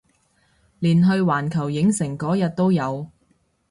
連去環球影城嗰日都有